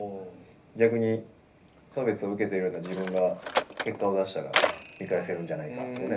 逆に差別を受けているような自分が結果を出したら見返せるんじゃないかとかね